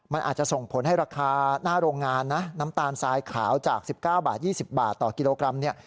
มันอาจจะส่งผลให้ราคาหน้าโรงงานนะน้ำตาลทรายขาวจาก๑๙บาท๒๐บาทต่อกิโลกรัมเนี่ย